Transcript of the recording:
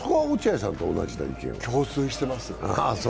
共通してますね。